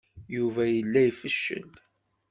Yuba yella ifeccel.